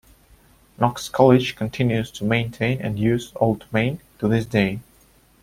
Knox College continues to maintain and use Old Main to this day.